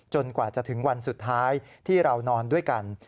กว่าจะถึงวันสุดท้ายที่เรานอนด้วยกัน